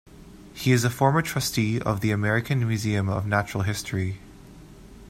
He is a former trustee of the American Museum of Natural History.